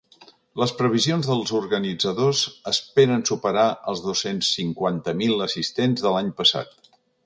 Les previsions dels organitzadors esperen superar els dos-cents cinquanta mil assistents de l’any passat.